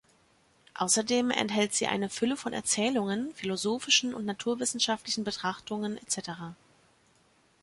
Außerdem enthält sie eine Fülle von Erzählungen, philosophischen und naturwissenschaftlichen Betrachtungen etc.